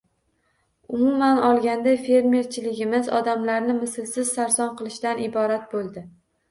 Umuman olganda, «fermer»chiligimiz odamlarni mislsiz sarson qilishdan iborat bo‘ldi.